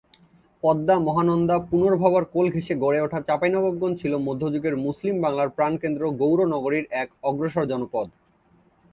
পদ্মা-মহানন্দা-পুনর্ভবার কোল ঘেঁষে গড়ে ওঠা চাঁপাইনবাবগঞ্জ ছিল মধ্যযুগের মুসলিম বাংলার প্রাণকেন্দ্র গৌড় নগরীর এক অগ্রসর জনপদ।